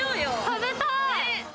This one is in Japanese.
食べたい。